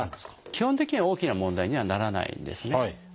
基本的には大きな問題にはならないんですね。